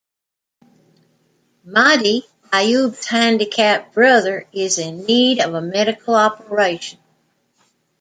"Madi", Ayoub's handicapped brother, is in need of a medical operation.